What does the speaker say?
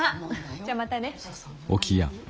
じゃまたね。